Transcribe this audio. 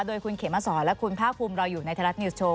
โดยคุณเขมศรและคุณพระคุมเราอยู่ในทะลัดนิวส์โชว์